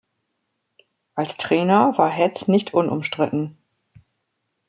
Als Trainer war Hetz nicht unumstritten.